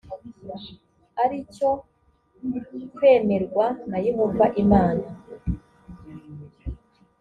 ari cyo kwemerwa na yehova imana